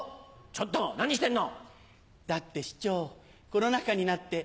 ちょっと何してんの。